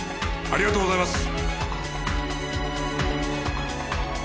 ありがとうございます。